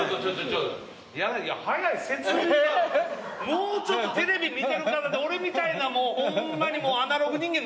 もうちょっとテレビ見てる方で俺みたいなもうホンマにもうアナログ人間